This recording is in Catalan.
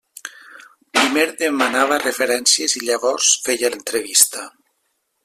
Primer demanava referències i llavors feia l'entrevista.